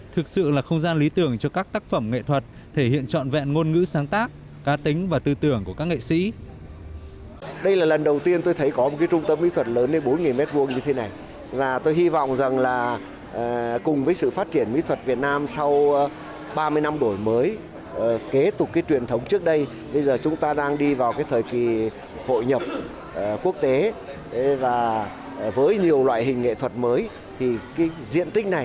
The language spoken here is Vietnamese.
thực sự là không gian lý tưởng cho các tác phẩm nghệ thuật thể hiện trọn vẹn ngôn ngữ sáng tác ca tính và tư tưởng của các nghệ sĩ